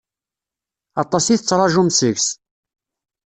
Aṭas i tettṛaǧum seg-s.